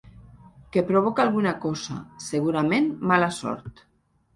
Que provoca alguna cosa, segurament mala sort.